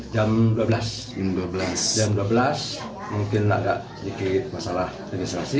jam dua belas mungkin ada sedikit masalah legislasi